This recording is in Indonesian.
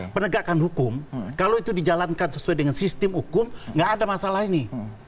penegakan hukum kalau itu dijalankan sesuai dengan sistem hukum nggak ada masalah ini